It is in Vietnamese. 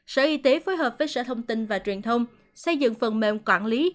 sở y tế phối hợp với sở thông tin và truyền thông xây dựng phần mềm quản lý